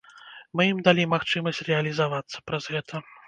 Мы ім далі магчымасць рэалізавацца праз гэта.